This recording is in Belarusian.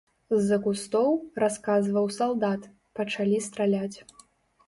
З-за кустоў, расказваў салдат, пачалі страляць.